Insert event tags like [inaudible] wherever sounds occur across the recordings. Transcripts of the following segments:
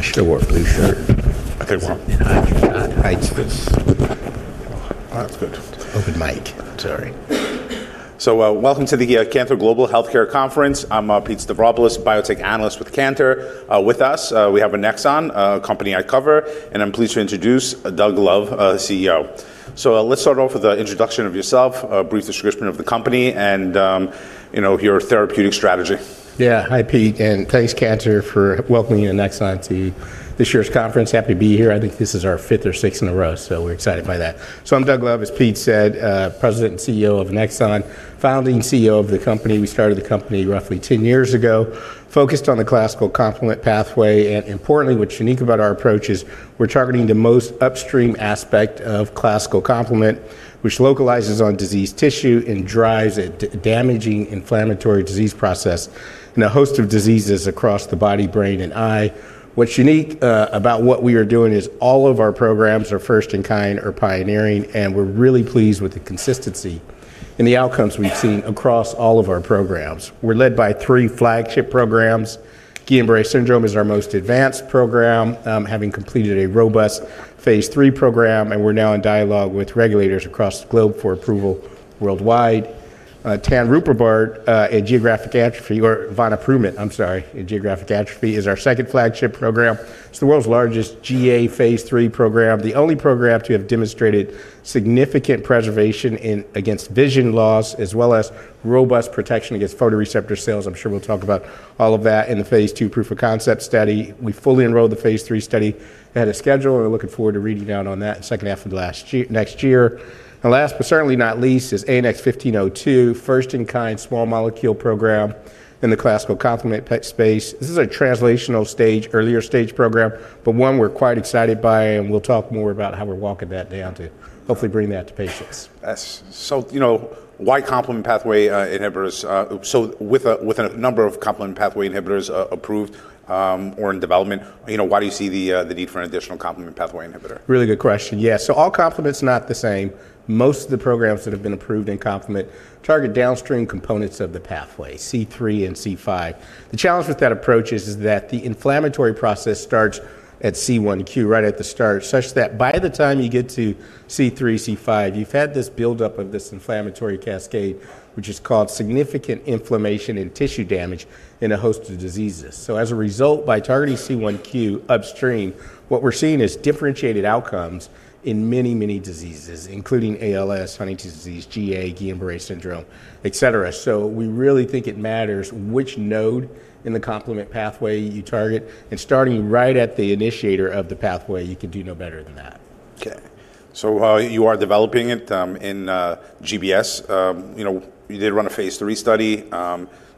... I should have worn a blue shirt. Okay, well- You know, I just. Oh, that's good. Open mic. Sorry. So, welcome to the Cantor Global Healthcare Conference. I'm Pete Stavropoulos, biotech analyst with Cantor. With us, we have Annexon, a company I cover, and I'm pleased to introduce Doug Love, CEO. So, let's start off with an introduction of yourself, a brief description of the company, and, you know, your therapeutic strategy. Yeah. Hi, Pete, and thanks Cantor for welcoming in Annexon to this year's conference. Happy to be here. I think this is our fifth or sixth in a row, so we're excited by that. So I'm Doug Love, as Pete said, President and CEO of Annexon, founding CEO of the company. We started the company roughly 10 years ago, focused on the classical complement pathway, and importantly, what's unique about our approach is we're targeting the most upstream aspect of classical complement, which localizes on diseased tissue and drives a damaging inflammatory disease process in a host of diseases across the body, brain, and eye. What's unique about what we are doing is all of our programs are first-in-kind or pioneering, and we're really pleased with the consistency in the outcomes we've seen across all of our programs. We're led by three flagship programs. Guillain-Barré syndrome is our most advanced program, having completed a robust phase III program, and we're now in dialogue with regulators across the globe for approval worldwide. ANX007 in geographic atrophy, or ANX007, I'm sorry, in geographic atrophy, is our second flagship program. It's the world's largest GA phase III program, the only program to have demonstrated significant preservation against vision loss, as well as robust protection against photoreceptor cells. I'm sure we'll talk about all of that in the phase II proof of concept study. We fully enrolled the phase III study ahead of schedule, and we're looking forward to reading out on that in the second half of last year, next year. And last, but certainly not least, is ANX1502, first-in-kind small molecule program in the classical complement tech space. This is a translational stage, earlier stage program, but one we're quite excited by, and we'll talk more about how we're walking that down to hopefully bring that to patients. That's... So, you know, why complement pathway inhibitors? So with a number of complement pathway inhibitors approved or in development, you know, why do you see the need for an additional complement pathway inhibitor? Really good question. Yeah, so all complement's not the same. Most of the programs that have been approved in complement target downstream components of the pathway, C3 and C5. The challenge with that approach is, is that the inflammatory process starts at C1q, right at the start, such that by the time you get to C3, C5, you've had this build-up of this inflammatory cascade, which has caused significant inflammation and tissue damage in a host of diseases. So as a result, by targeting C1q upstream, what we're seeing is differentiated outcomes in many, many diseases, including ALS, Huntington's disease, GA, Guillain-Barré syndrome, et cetera. So we really think it matters which node in the complement pathway you target, and starting right at the initiator of the pathway, you can do no better than that. Okay. So, you are developing it in GBS. You know, you did run a phase III study.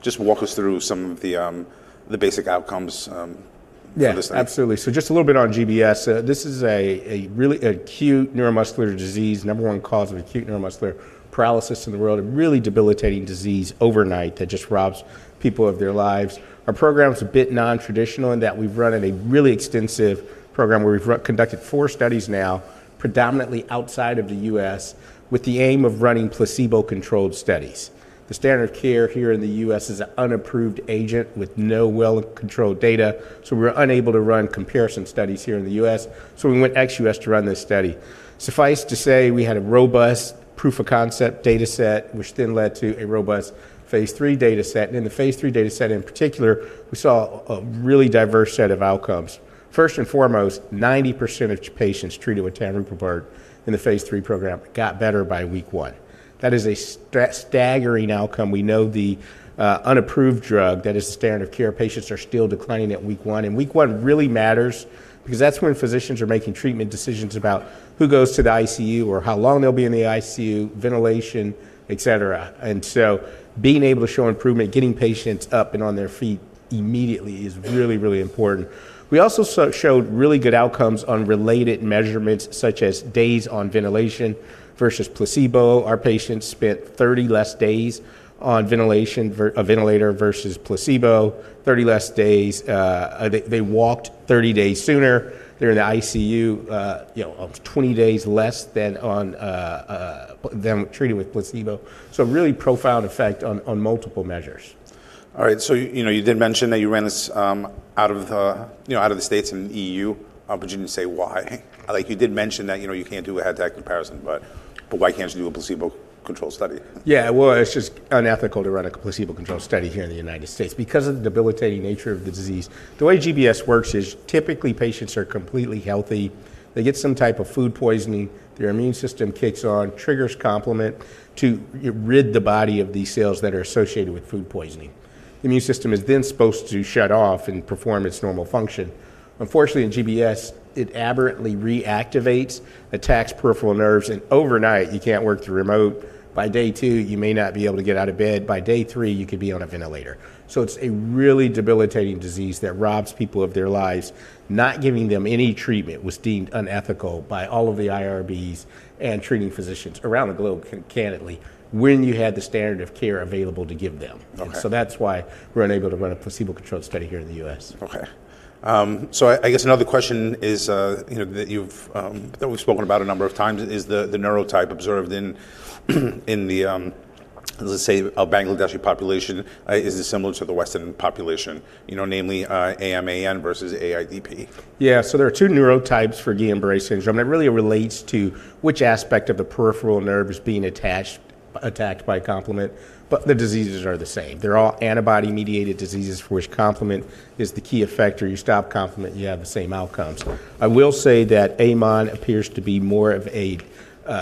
Just walk us through some of the basic outcomes for this study? Yeah, absolutely. So just a little bit on GBS. This is a really acute neuromuscular disease, number one cause of acute neuromuscular paralysis in the world, a really debilitating disease overnight that just robs people of their lives. Our program is a bit non-traditional in that we've run a really extensive program where we've conducted four studies now, predominantly outside of the U.S., with the aim of running placebo-controlled studies. The standard of care here in the U.S. is an unapproved agent with no well-controlled data, so we're unable to run comparison studies here in the U.S. So we went ex-U.S. to run this study. Suffice to say, we had a robust proof of concept data set, which then led to a robust phase III data set, and in the phase III data set in particular, we saw a really diverse set of outcomes. First and foremost, 90% of patients treated with ANX005 in the phase III program got better by week one. That is a staggering outcome. We know the unapproved drug that is standard of care, patients are still declining at week one, and week one really matters because that's when physicians are making treatment decisions about who goes to the ICU or how long they'll be in the ICU, ventilation, et cetera. And so being able to show improvement, getting patients up and on their feet immediately is really, really important. We also showed really good outcomes on related measurements, such as days on ventilation versus placebo. Our patients spent 30 less days on ventilation a ventilator versus placebo, 30 less days. They walked 30 days sooner. They're in the ICU, you know, 20 days less than on them treated with placebo, so a really profound effect on multiple measures. All right, so, you know, you did mention that you ran this out of the States and EU, but you didn't say why. Like, you did mention that, you know, you can't do a head-to-head comparison, but why can't you do a placebo-controlled study? Yeah, well, it's just unethical to run a placebo-controlled study here in the United States because of the debilitating nature of the disease. The way GBS works is typically, patients are completely healthy. They get some type of food poisoning, their immune system kicks on, triggers complement to rid the body of these cells that are associated with food poisoning. The immune system is then supposed to shut off and perform its normal function. Unfortunately, in GBS, it aberrantly reactivates, attacks peripheral nerves, and overnight, you can't work the remote. By day two, you may not be able to get out of bed. By day three, you could be on a ventilator. So it's a really debilitating disease that robs people of their lives. Not giving them any treatment was deemed unethical by all of the IRBs and treating physicians around the globe, candidly, when you had the standard of care available to give them. Okay. So that's why we're unable to run a placebo-controlled study here in the U.S. Okay. So I guess another question is, you know, that we've spoken about a number of times, is the neurotype observed in a Bangladeshi population is similar to the Western population, you know, namely, AMAN versus AIDP. Yeah, so there are two neurotypes for Guillain-Barré syndrome, and it really relates to which aspect of the peripheral nerve is being attacked by complement, but the diseases are the same. They're all antibody-mediated diseases for which complement is the key effector. You stop complement, you have the same outcomes. I will say that AMAN appears to be more of a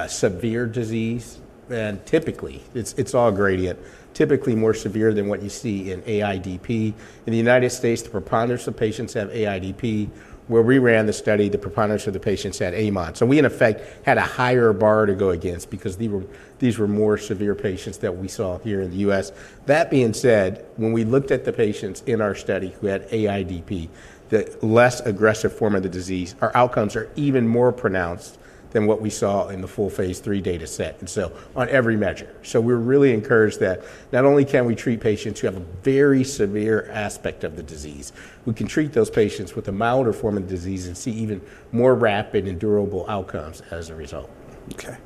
severe disease, and typically, it's all gradient, typically more severe than what you see in AIDP. In the United States, the preponderance of patients have AIDP. Where we ran the study, the preponderance of the patients had AMAN. So we, in effect, had a higher bar to go against because these were more severe patients that we saw here in the U.S. That being said, when we looked at the patients in our study who had AIDP, the less aggressive form of the disease, our outcomes are even more pronounced than what we saw in the full phase III data set, and so on every measure, so we're really encouraged that not only can we treat patients who have a very severe aspect of the disease, we can treat those patients with a milder form of the disease and see even more rapid and durable outcomes as a result. Okay.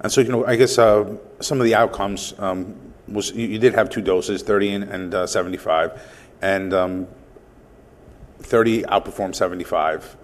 And so, you know, I guess, some of the outcomes was... You did have two doses, thirty and, seventy-five, and, thirty outperformed seventy-five.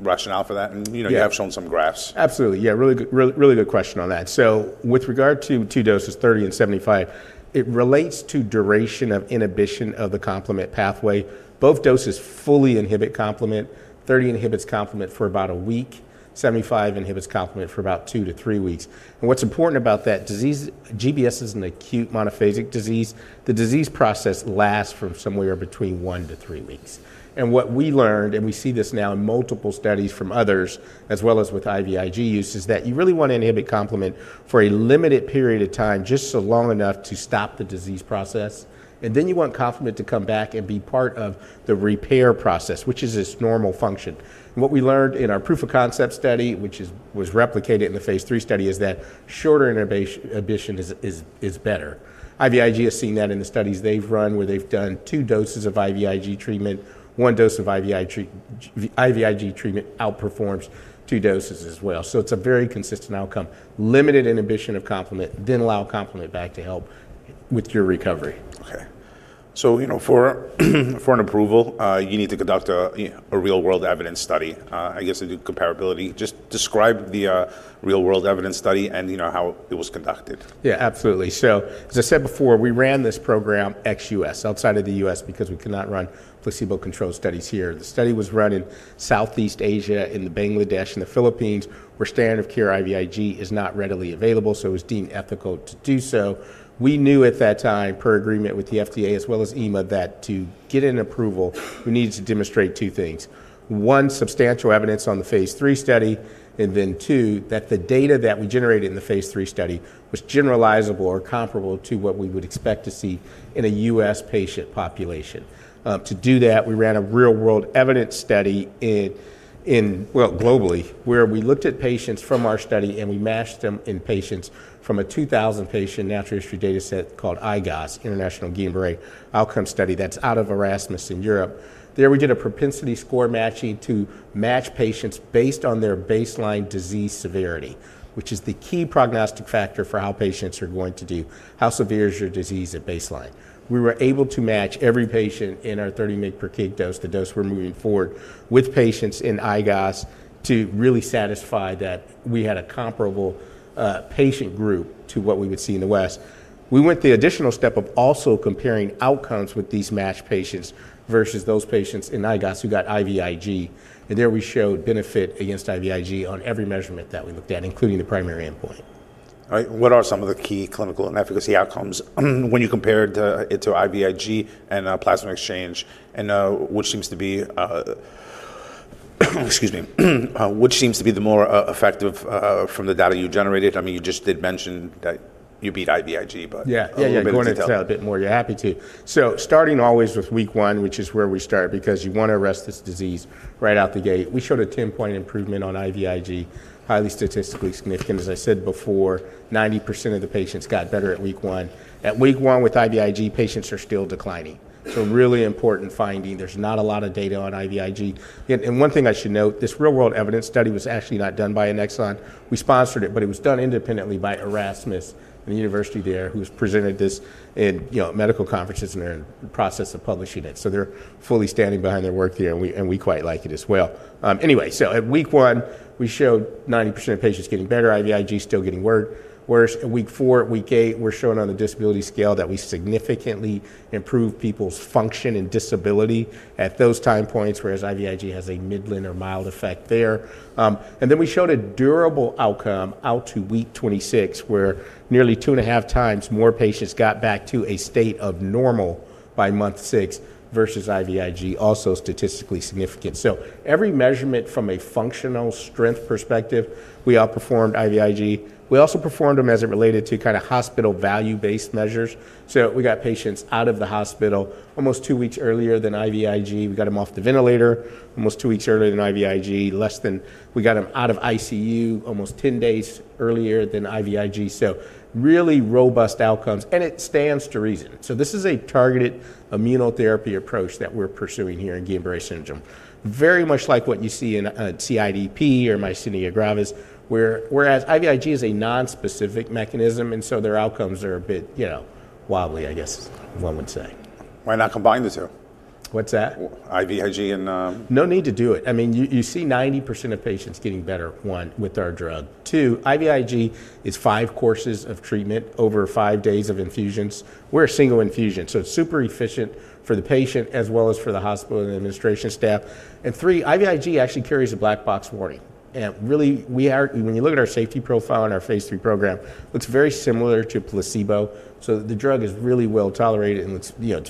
Rationale for that? And, you know- Yeah... you have shown some graphs. Absolutely. Yeah, really good, really, really good question on that. So with regard to two doses, thirty and seventy-five, it relates to duration of inhibition of the complement pathway. Both doses fully inhibit complement. Thirty inhibits complement for about a week, seventy-five inhibits complement for about two to three weeks. What's important about that disease, GBS is an acute monophasic disease. The disease process lasts from somewhere between one to three weeks. What we learned, and we see this now in multiple studies from others, as well as with IVIG use, is that you really want to inhibit complement for a limited period of time, just so long enough to stop the disease process, and then you want complement to come back and be part of the repair process, which is its normal function. What we learned in our proof of concept study, which was replicated in the phase III study, is that shorter inhibition is better. IVIG has seen that in the studies they've run, where they've done two doses of IVIG treatment. One dose of IVIG treatment outperforms two doses as well, so it's a very consistent outcome. Limited inhibition of complement, then allow complement back to help with your recovery. Okay. So, you know, for an approval, you need to conduct a real-world evidence study, I guess to do comparability. Just describe the real-world evidence study and, you know, how it was conducted. Yeah, absolutely. So, as I said before, we ran this program ex-US, outside of the U.S., because we cannot run placebo-controlled studies here. The study was run in Southeast Asia, in Bangladesh and the Philippines, where standard of care IVIG is not readily available, so it was deemed ethical to do so. We knew at that time, per agreement with the FDA as well as EMA, that to get an approval, we needed to demonstrate two things: one, substantial evidence on the phase III study, and then two, that the data that we generated in the phase III study was generalizable or comparable to what we would expect to see in a U.S. patient population. To do that, we ran a real-world evidence study in well, globally, where we looked at patients from our study, and we matched them with patients from a 2,000 patient natural history dataset called IGOS, International Guillain-Barré Outcome Study, that's out of Erasmus in Europe. There, we did a propensity score matching to match patients based on their baseline disease severity, which is the key prognostic factor for how patients are going to do. How severe is your disease at baseline? We were able to match every patient in our 30 mg per kg dose, the dose we're moving forward, with patients in IGOS to really satisfy that we had a comparable patient group to what we would see in the West. We went the additional step of also comparing outcomes with these matched patients versus those patients in IGOS who got IVIG, and there we showed benefit against IVIG on every measurement that we looked at, including the primary endpoint. All right. What are some of the key clinical and efficacy outcomes when you compare it to IVIG and plasma exchange, and, excuse me, which seems to be the more effective from the data you generated? I mean, you just did mention that you beat IVIG, but- Yeah. - a little bit of detail. Yeah, yeah. Go on to tell a bit more. Yeah, happy to. So starting always with week one, which is where we start, because you want to arrest this disease right out the gate, we showed a ten-point improvement on IVIG, highly statistically significant. As I said before, 90% of the patients got better at week one. At week one with IVIG, patients are still declining. So really important finding, there's not a lot of data on IVIG. And one thing I should note, this real-world evidence study was actually not done by Annexon. We sponsored it, but it was done independently by Erasmus and the university there, who's presented this in, you know, medical conferences, and they're in the process of publishing it. So they're fully standing behind their work there, and we quite like it as well. Anyway, so at week one, we showed 90% of patients getting better, IVIG still getting worse. Whereas at week four, week eight, we're showing on the disability scale that we significantly improve people's function and disability at those time points, whereas IVIG has a midline or mild effect there. And then we showed a durable outcome out to week 26, where nearly two and a half times more patients got back to a state of normal by month six versus IVIG, also statistically significant. So every measurement from a functional strength perspective, we outperformed IVIG. We also performed them as it related to kind of hospital value-based measures. So we got patients out of the hospital almost two weeks earlier than IVIG. We got them off the ventilator almost two weeks earlier than IVIG, less than... We got them out of ICU almost ten days earlier than IVIG. So really robust outcomes, and it stands to reason. So this is a targeted immunotherapy approach that we're pursuing here in Guillain-Barré syndrome. Very much like what you see in CIDP or myasthenia gravis, whereas IVIG is a nonspecific mechanism, and so their outcomes are a bit, you know, wobbly, I guess one would say. Why not combine the two? ... What's that? IVIG and, No need to do it. I mean, you see 90% of patients getting better, one, with our drug. Two, IVIG is five courses of treatment over five days of infusions. We're a single infusion, so it's super efficient for the patient as well as for the hospital and administration staff. And three, IVIG actually carries a black box warning, and really, when you look at our safety profile in our phase III program, looks very similar to a placebo. So the drug is really well-tolerated, and it's, you know,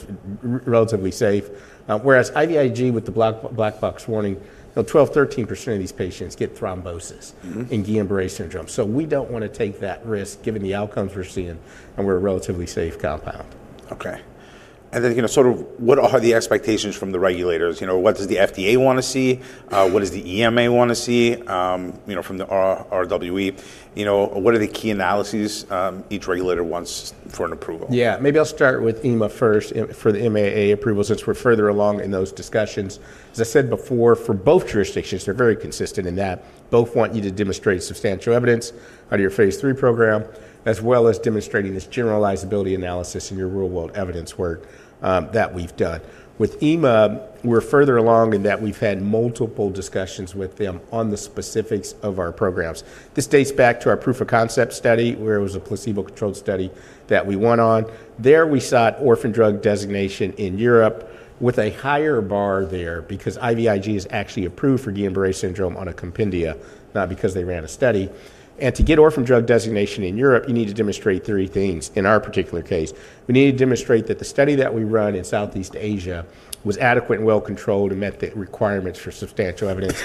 relatively safe. Whereas IVIG with the black box warning, you know, 12%-13% of these patients get thrombosis. Mm-hmm... in Guillain-Barré syndrome. So we don't want to take that risk, given the outcomes we're seeing, and we're a relatively safe compound. Okay. And then, you know, sort of what are the expectations from the regulators? You know, what does the FDA want to see? What does the EMA want to see, you know, from the RWE? You know, what are the key analyses, each regulator wants for an approval? Yeah, maybe I'll start with EMA first, EMA for the MAA approval, since we're further along in those discussions. As I said before, for both jurisdictions, they're very consistent in that both want you to demonstrate substantial evidence out of your phase III program, as well as demonstrating this generalizability analysis in your real-world evidence work, that we've done. With EMA, we're further along in that we've had multiple discussions with them on the specifics of our programs. This dates back to our proof of concept study, where it was a placebo-controlled study that we won on. There we sought orphan drug designation in Europe with a higher bar there because IVIG is actually approved for Guillain-Barré syndrome on a compendium, not because they ran a study. And to get orphan drug designation in Europe, you need to demonstrate three things in our particular case. We need to demonstrate that the study that we run in Southeast Asia was adequate and well controlled and met the requirements for substantial evidence,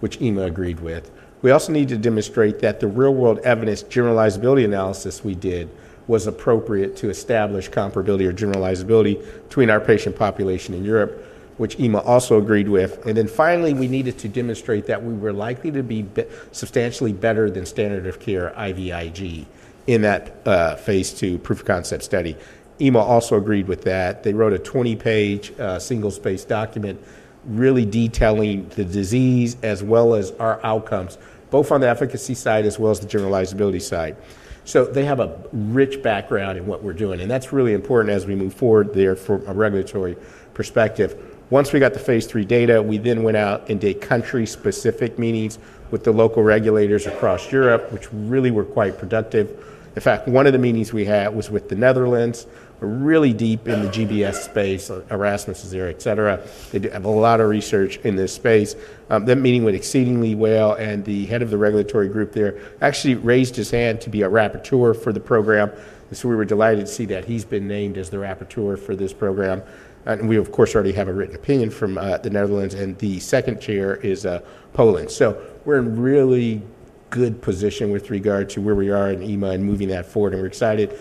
which EMA agreed with. We also need to demonstrate that the real-world evidence generalizability analysis we did was appropriate to establish comparability or generalizability between our patient population in Europe, which EMA also agreed with. And then finally, we needed to demonstrate that we were likely to be substantially better than standard of care IVIG in that phase II proof of concept study. EMA also agreed with that. They wrote a 20-page, single-spaced document, really detailing the disease as well as our outcomes, both on the efficacy side as well as the generalizability side. So they have a rich background in what we're doing, and that's really important as we move forward there from a regulatory perspective. Once we got the phase III data, we then went out and did country-specific meetings with the local regulators across Europe, which really were quite productive. In fact, one of the meetings we had was with the Netherlands, really deep in the GBS space, Erasmus is there, et cetera. They do have a lot of research in this space. That meeting went exceedingly well, and the head of the regulatory group there actually raised his hand to be a rapporteur for the program. So we were delighted to see that he's been named as the rapporteur for this program. And we, of course, already have a written opinion from the Netherlands, and the second chair is Poland. So we're in really good position with regard to where we are in EMA and moving that forward, and we're excited.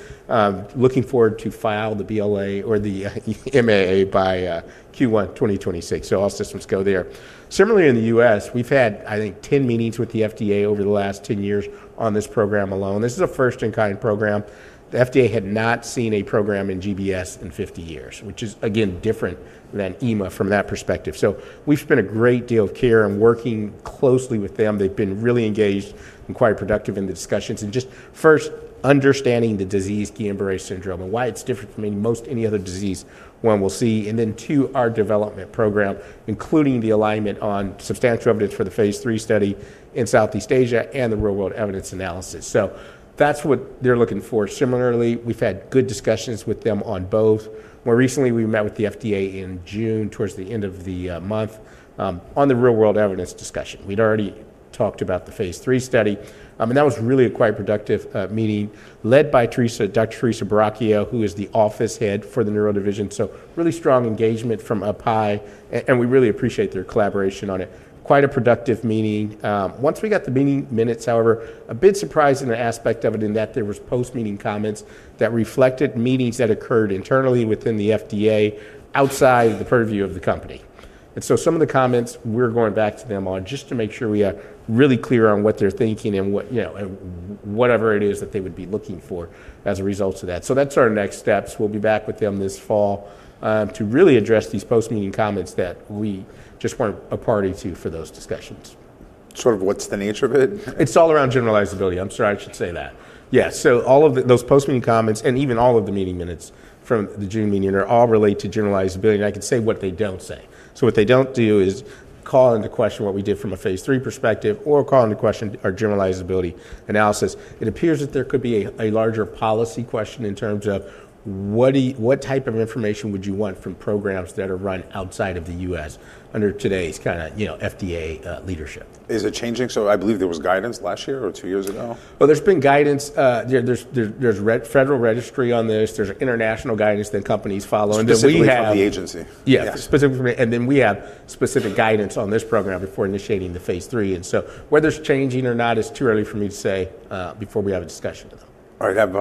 Looking forward to file the BLA or the EMA by Q1 2026, so all systems go there. Similarly, in the U.S., we've had I think 10 meetings with the FDA over the last 10 years on this program alone. This is a first-in-kind program. The FDA had not seen a program in GBS in 50 years, which is again different than EMA from that perspective, so we've spent a great deal of care in working closely with them. They've been really engaged and quite productive in the discussions and just first understanding the disease, Guillain-Barré syndrome, and why it's different from most any other disease one will see, and then two, our development program, including the alignment on substantial evidence for the phase III study in Southeast Asia and the real-world evidence analysis, so that's what they're looking for. Similarly, we've had good discussions with them on both. More recently, we met with the FDA in June, towards the end of the month, on the real-world evidence discussion. We'd already talked about the phase III study, and that was really a quite productive meeting led by Teresa, Dr. Teresa Buracchio, who is the office head for the Neuro Division. So really strong engagement from up high, and we really appreciate their collaboration on it. Quite a productive meeting. Once we got the meeting minutes, however, a bit surprised in an aspect of it, in that there was post-meeting comments that reflected meetings that occurred internally within the FDA, outside the purview of the company. And so some of the comments we're going back to them on just to make sure we are really clear on what they're thinking and what... You know, and whatever it is that they would be looking for as a result of that. So that's our next steps. We'll be back with them this fall, to really address these post-meeting comments that we just weren't a party to for those discussions. Sort of, what's the nature of it? It's all around generalizability. I'm sorry, I should say that. Yeah, so all of those post-meeting comments and even all of the meeting minutes from the June meeting are all related to generalizability, and I can say what they don't say. So what they don't do is call into question what we did from a phase III perspective or call into question our generalizability analysis. It appears that there could be a larger policy question in terms of what type of information would you want from programs that are run outside of the U.S. under today's kind of, you know, FDA leadership? Is it changing? So I believe there was guidance last year or two years ago. There's been guidance. There's guidance in the Federal Register on this. There's international guidance that companies follow, [crosstalk] and then we have- Specifically from the agency. Yeah. Yeah. Specifically, and then we have specific guidance on this program before initiating the phase III. And so whether it's changing or not, it's too early for me to say, before we have a discussion with them. All right. Have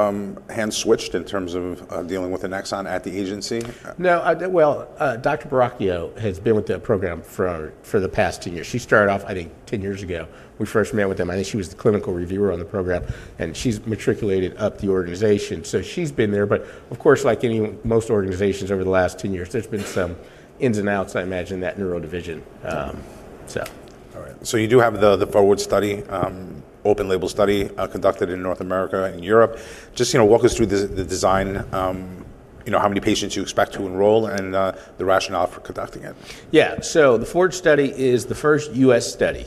hands switched in terms of dealing with Annexon at the agency? No. Well, Dr. Buracchio has been with the program for the past two years. She started off, I think, 10 years ago. We first met with them. I think she was the clinical reviewer on the program, and she's matriculated up the organization, so she's been there. But of course, like most organizations over the last 10 years, there's been some ins and outs, I imagine, in that Neuro Division. So... All right. So you do have the FORWARD study, open label study, conducted in North America and Europe. Just, you know, walk us through the design, you know, how many patients you expect to enroll, and the rationale for conducting it. Yeah. So the FORWARD study is the first U.S. study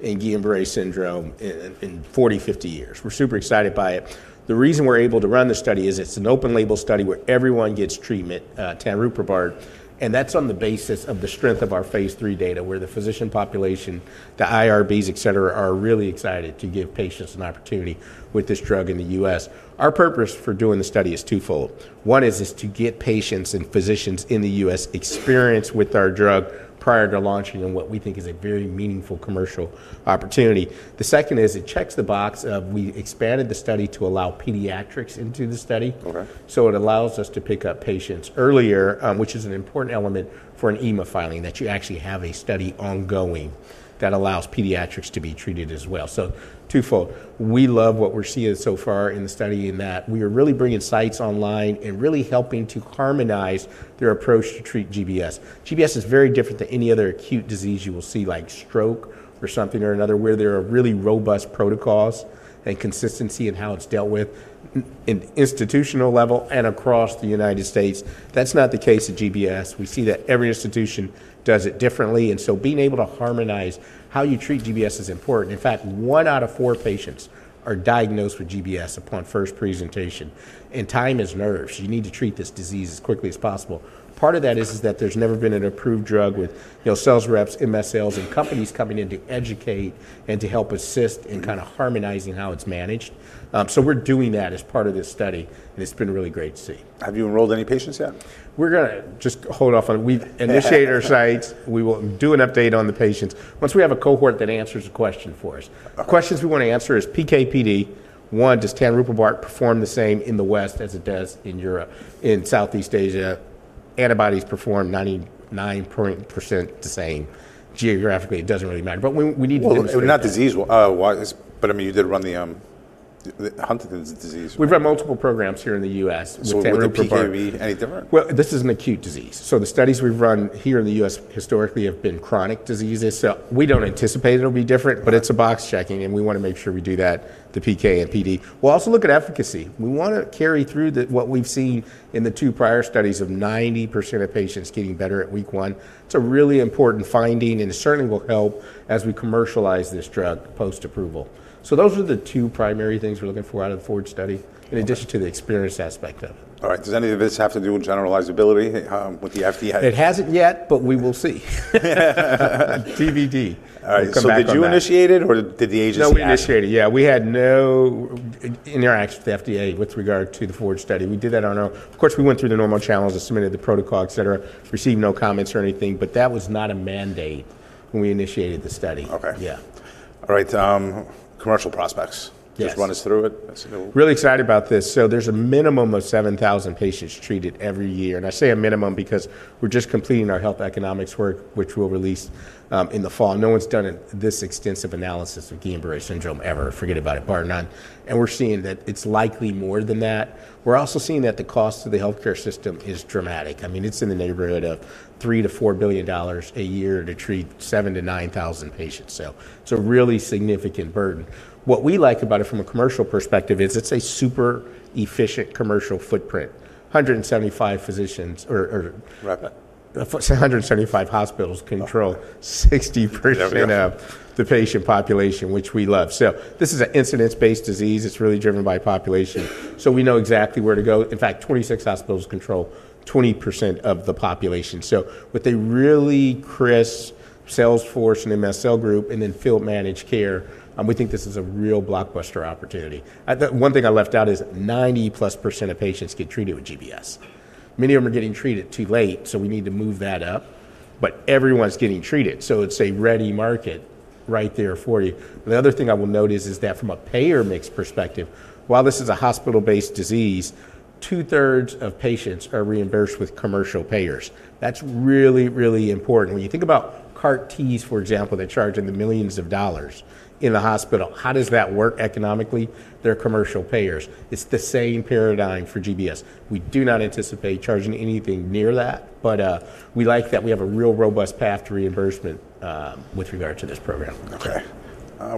in Guillain-Barré syndrome in, in forty, fifty years. We're super excited by it. The reason we're able to run this study is it's an open label study where everyone gets treatment, ANX005, and that's on the basis of the strength of our phase III data, where the physician population, the IRBs, et cetera, are really excited to give patients an opportunity with this drug in the U.S. Our purpose for doing the study is twofold. One is to get patients and physicians in the U.S. experience with our drug prior to launching in what we think is a very meaningful commercial opportunity. The second is it checks the box of we expanded the study to allow pediatrics into the study. Okay. So it allows us to pick up patients earlier, which is an important element for an EMA filing, that you actually have a study ongoing that allows pediatrics to be treated as well. So twofold, we love what we're seeing so far in the study in that we are really bringing sites online and really helping to harmonize their approach to treat GBS. GBS is very different than any other acute disease you will see, like stroke or something or another, where there are really robust protocols and consistency in how it's dealt with in institutional level and across the United States. That's not the case with GBS. We see that every institution does it differently, and so being able to harmonize how you treat GBS is important. In fact, one out of four patients are diagnosed with GBS upon first presentation, and time is nerves. You need to treat this disease as quickly as possible. Part of that is that there's never been an approved drug with, you know, sales reps, MSLs, and companies coming in to educate and to help assist-... in kind of harmonizing how it's managed. So we're doing that as part of this study, and it's been really great to see. Have you enrolled any patients yet? We're gonna just hold off on... We've initiated our sites. We will do an update on the patients once we have a cohort that answers the question for us. Okay. Questions we want to answer is PK/PD. One, does ANX005 perform the same in the West as it does in Europe? In Southeast Asia, antibodies perform 99% the same. Geographically, it doesn't really matter, but we need to demonstrate- Not disease, but I mean, you did run the Huntington's disease- We've run multiple programs here in the U.S. with ANX005. Would the PK be any different? This is an acute disease. The studies we've run here in the U.S. historically have been chronic diseases, so we don't anticipate it'll be different- Okay... but it's a box checking, and we want to make sure we do that, the PK and PD. We'll also look at efficacy. We want to carry through the, what we've seen in the two prior studies of 90% of patients getting better at week one. It's a really important finding and certainly will help as we commercialize this drug post-approval. So those are the two primary things we're looking for out of the FORGE study. Okay... in addition to the experience aspect of it. All right. Does any of this have to do with generalizability, with the FDA? It hasn't yet, but we will see. TBD. We'll come back on that. All right, so did you initiate it, or did the agency ask you? No, we initiated it. Yeah, we had no interactions with the FDA with regard to the FORGE study. We did that on our own. Of course, we went through the normal channels and submitted the protocol, et cetera, received no comments or anything, but that was not a mandate when we initiated the study. Okay. Yeah. All right, commercial prospects. Yes. Just run us through it. Let's go. Really excited about this. So there's a minimum of 7,000 patients treated every year, and I say a minimum because we're just completing our health economics work, which we'll release in the fall. No one's done any extensive analysis of Guillain-Barré syndrome ever. Forget about it, bar none. And we're seeing that it's likely more than that. We're also seeing that the cost to the healthcare system is dramatic. I mean, it's in the neighborhood of $3-$4 billion a year to treat 7,000-9,000 patients, so it's a really significant burden. What we like about it from a commercial perspective is it's a super efficient commercial footprint. 175 physicians or Right... 175 hospitals control 60%-... of the patient population, which we love. So this is an incidence-based disease. It's really driven by population, so we know exactly where to go. In fact, 26 hospitals control 20% of the population. So with a really crisp sales force and MSL group and then field managed care, we think this is a real blockbuster opportunity. The one thing I left out is 90+% of patients get treated for GBS. Many of them are getting treated too late, so we need to move that up, but everyone's getting treated, so it's a ready market right there for you. The other thing I will note is that from a payer mix perspective, while this is a hospital-based disease, two-thirds of patients are reimbursed with commercial payers. That's really, really important. When you think about CAR T's, for example, they're charging millions of dollars in the hospital. How does that work economically? They're commercial payers. It's the same paradigm for GBS. We do not anticipate charging anything near that, but, we like that we have a real robust path to reimbursement, with regard to this program. Okay.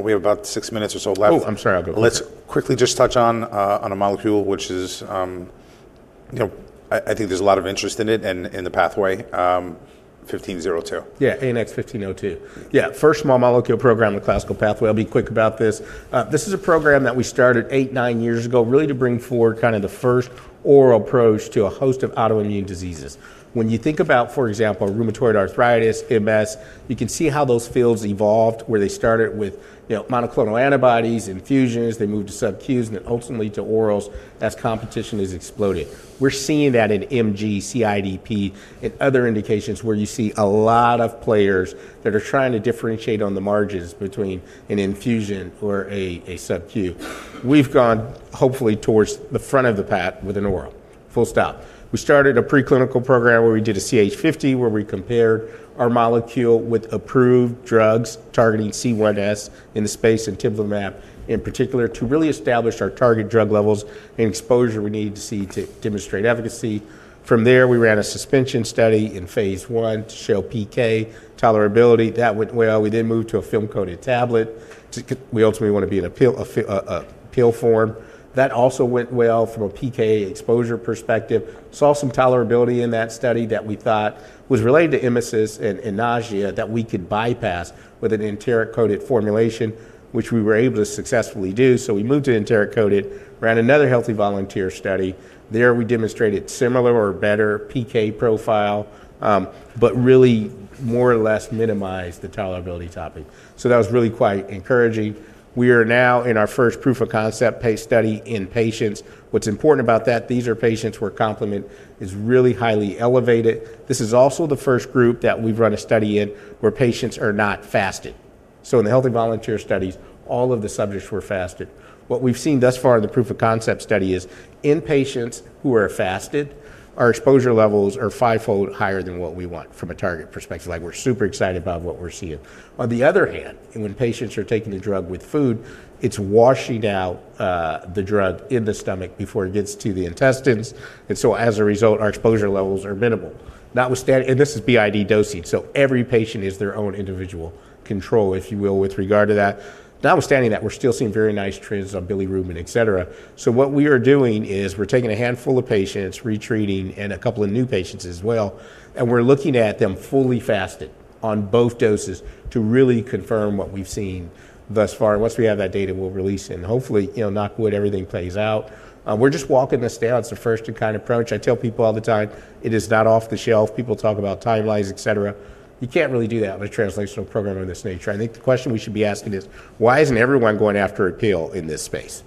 We have about six minutes or so left. Oh, I'm sorry. I'll go- Let's quickly just touch on a molecule, which is, you know, I think there's a lot of interest in it and in the pathway, ANX1502. Yeah, ANX-1502. Yeah, first small molecule program, the classical pathway. I'll be quick about this. This is a program that we started eight, nine years ago, really to bring forward kind of the first oral approach to a host of autoimmune diseases. When you think about, for example, rheumatoid arthritis, MS, you can see how those fields evolved, where they started with, you know, monoclonal antibodies, infusions, they moved to subQs and then ultimately to orals as competition has exploded. We're seeing that in MG, CIDP, and other indications where you see a lot of players that are trying to differentiate on the margins between an infusion or a, a subQ. We've gone hopefully towards the front of the pack with an oral.... full stop. We started a preclinical program where we did a CH50, where we compared our molecule with approved drugs targeting C1s in the space, and sutimlimab in particular, to really establish our target drug levels and exposure we need to see to demonstrate efficacy. From there, we ran a suspension study in phase I to show PK tolerability. That went well. We then moved to a film-coated tablet. We ultimately want to be in a pill form. That also went well from a PK exposure perspective. Saw some tolerability in that study that we thought was related to emesis and nausea that we could bypass with an enteric-coated formulation, which we were able to successfully do. We moved to enteric-coated, ran another healthy volunteer study. There, we demonstrated similar or better PK profile, but really more or less minimized the tolerability topic. So that was really quite encouraging. We are now in our first proof of concept phase study in patients. What's important about that, these are patients where complement is really highly elevated. This is also the first group that we've run a study in where patients are not fasted. So in the healthy volunteer studies, all of the subjects were fasted. What we've seen thus far in the proof of concept study is in patients who are fasted, our exposure levels are fivefold higher than what we want from a target perspective. Like, we're super excited about what we're seeing. On the other hand, and when patients are taking the drug with food, it's washing out, the drug in the stomach before it gets to the intestines. As a result, our exposure levels are minimal. Notwithstanding. And this is BID dosing, so every patient is their own individual control, if you will, with regard to that. Notwithstanding that, we're still seeing very nice trends on bilirubin, et cetera. So what we are doing is we're taking a handful of patients, re-treating, and a couple of new patients as well, and we're looking at them fully fasted on both doses to really confirm what we've seen thus far. Once we have that data, we'll release it and hopefully, you know, knock wood, everything plays out. We're just walking this down. It's a first-in-kind approach. I tell people all the time, it is not off the shelf. People talk about timelines, et cetera. You can't really do that with a translational program of this nature. I think the question we should be asking is: why isn't everyone going after a pill in this space?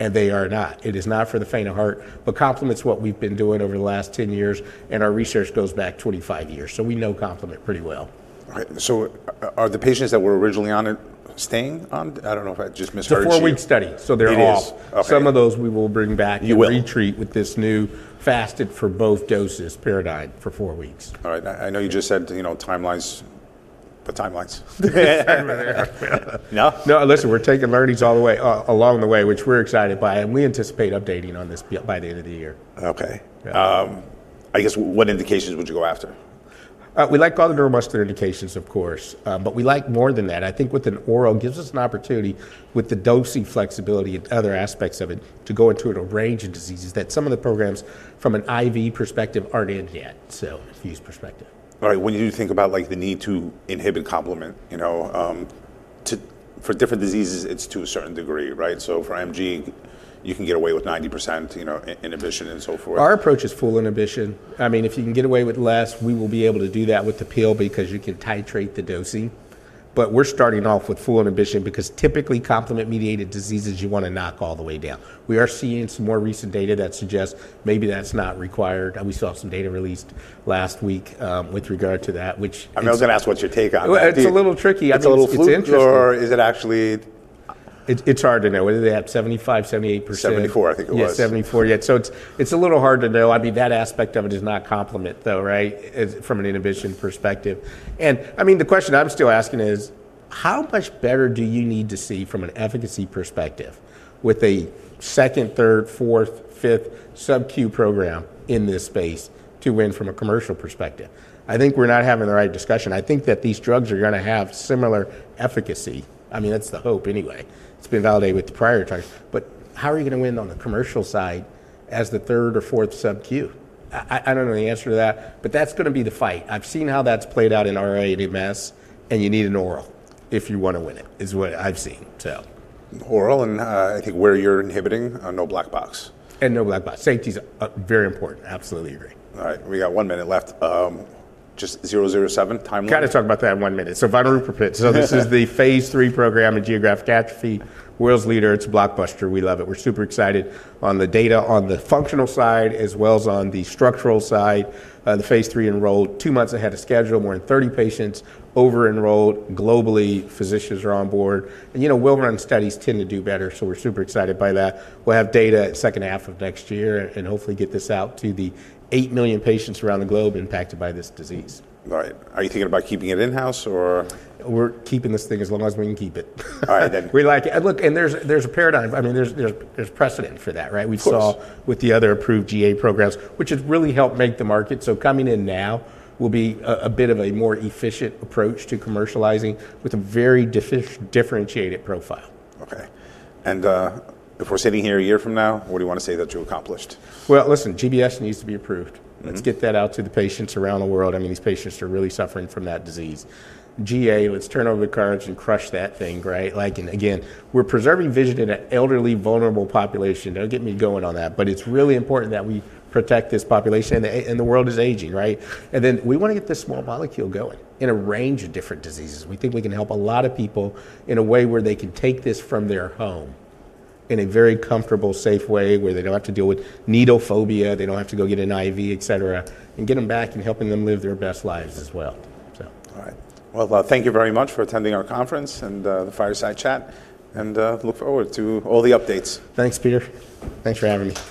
And they are not. It is not for the faint of heart, but complement's what we've been doing over the last ten years, and our research goes back twenty-five years, so we know complement pretty well. Right. So, are the patients that were originally on it staying on? I don't know if I just misheard you. It's a four-week study, so they're off. It is. Okay. Some of those we will bring back- You will... and retreat with this new fasted for both doses paradigm for four weeks. All right. I know you just said, you know, timelines. But timelines? No. No, listen, we're taking learnings all the way, along the way, which we're excited by, and we anticipate updating on this by the end of the year. Okay. Yeah. I guess, what indications would you go after? We like all the neuromuscular indications, of course, but we like more than that. I think with an oral, gives us an opportunity with the dosing flexibility and other aspects of it to go into a range of diseases that some of the programs from an IV perspective aren't in yet, so infused perspective. Right. When you think about, like, the need to inhibit complement, you know, for different diseases, it's to a certain degree, right? So for MG, you can get away with 90%, you know, inhibition and so forth. Our approach is full inhibition. I mean, if you can get away with less, we will be able to do that with the pill because you can titrate the dosing. But we're starting off with full inhibition because typically, complement-mediated diseases, you want to knock all the way down. We are seeing some more recent data that suggest maybe that's not required. We saw some data released last week, with regard to that, which- I was gonna ask what's your take on that? It's a little tricky. It's a little flute- It's interesting. or is it actually... It's hard to know. What do they have? 75-78%. Seventy-four, I think it was. Yeah, 74, yeah. So it's a little hard to know. I mean, that aspect of it is not complement, though, right? As from an inhibition perspective. And I mean, the question I'm still asking is: how much better do you need to see from an efficacy perspective with a second, third, fourth, fifth subQ program in this space to win from a commercial perspective? I think we're not having the right discussion. I think that these drugs are gonna have similar efficacy. I mean, that's the hope anyway. It's been validated with the prior target. But how are you gonna win on the commercial side as the third or fourth subQ? I don't know the answer to that, but that's gonna be the fight. I've seen how that's played out in RA and MS, and you need an oral if you want to win it, is what I've seen, so. Oral, and, I think where you're inhibiting, no black box. And no black box. Safety's very important. Absolutely agree. All right, we got one minute left. Just zero, zero, seven timeline. Kind of talk about that in one minute. So ANX007, so this is the phase III program in geographic atrophy. World's leader. It's a blockbuster. We love it. We're super excited on the data on the functional side as well as on the structural side. The phase III enrolled two months ahead of schedule, more than 30 patients, over-enrolled globally. Physicians are on board, and, you know, well-run studies tend to do better, so we're super excited by that. We'll have data second half of next year, and hopefully get this out to the 8 million patients around the globe impacted by this disease. Right. Are you thinking about keeping it in-house or...? We're keeping this thing as long as we can keep it. All right, then. We like it. And look, there's a paradigm. I mean, there's precedent for that, right? Of course. We saw with the other approved GA programs, which has really helped make the market. So coming in now will be a bit of a more efficient approach to commercializing with a very differentiated profile. Okay. And, if we're sitting here a year from now, what do you want to say that you accomplished? Listen, GBS needs to be approved. Mm-hmm. Let's get that out to the patients around the world. I mean, these patients are really suffering from that disease. GA, let's turn over the cards and crush that thing, right? Like, and again, we're preserving vision in an elderly, vulnerable population. Don't get me going on that, but it's really important that we protect this population, and the world is aging, right? And then we want to get this small molecule going in a range of different diseases. We think we can help a lot of people in a way where they can take this from their home in a very comfortable, safe way, where they don't have to deal with needle phobia, they don't have to go get an IV, et cetera, and get them back and helping them live their best lives as well, so. All right. Well, thank you very much for attending our conference and the fireside chat, and look forward to all the updates. Thanks, Pete. Thanks for having me.